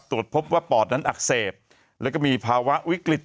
ตรวจพบว่าปอดนั้นอักเสบแล้วก็มีภาวะวิกฤต